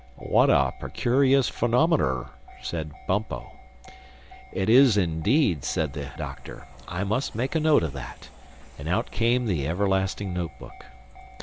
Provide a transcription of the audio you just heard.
"What a pecurious phenometer!" said Bumpo. "It is indeed," said the Doctor. "I must make a note of that." And out came the everlasting note book.